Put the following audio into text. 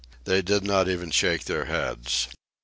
They did not even shake their heads.